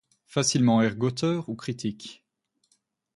Facilement ergoteur ou critique.